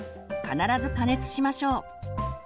必ず加熱しましょう。